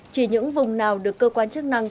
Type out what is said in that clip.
chỉ những vùng nào được cơ quan chức năng